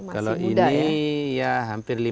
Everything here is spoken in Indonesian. kalau ini ya hampir lima tahun